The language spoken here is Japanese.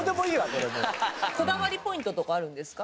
こだわりポイントとかあるんですか？